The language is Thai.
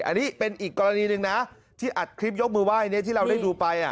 อันนี้เป็นอีกกรณีหนึ่งนะที่อัดคลิปยกมือไหว้ที่เราได้ดูไป